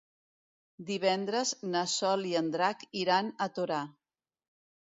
Divendres na Sol i en Drac iran a Torà.